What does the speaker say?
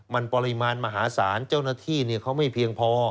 มันปริมาณมหาศาลเจ้าหน้าที่เขาไม่เพียงพอ